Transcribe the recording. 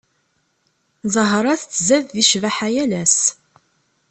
Zahra tettzad di cbaḥa yal ass.